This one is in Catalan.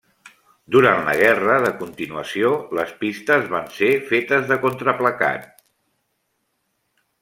Durant la Guerra de Continuació les pistes van ser fetes de contraplacat.